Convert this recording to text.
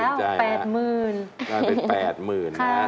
อุ่นใจแล้ว๘๐๐๐๐นะ